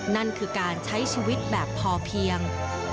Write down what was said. นั่นคือการใช้ชีวิตแบบพอเพียง